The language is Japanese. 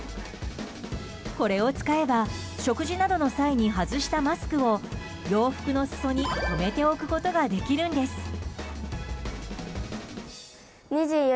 これを使えば食事などの際に外したマスクを洋服の裾に留めておくことができるんです。